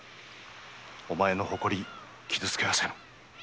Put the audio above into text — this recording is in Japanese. お前の誇り傷つけはせぬ。